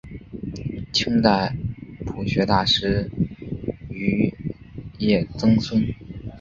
清代朴学大师俞樾曾孙。